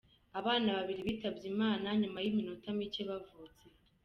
Abana babiri bitabye Imana nyuma y’iminota mike baavutse.